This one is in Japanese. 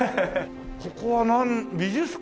ここは美術館？